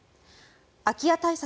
空き家対策